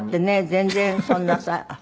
全然そんなさ。